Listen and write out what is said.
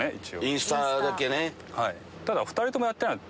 インスタだけね。